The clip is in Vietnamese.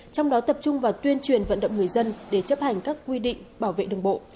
trong đó tập trung vào tuyên truyền vận động người dân để chấp hành các quy định bảo vệ đường bộ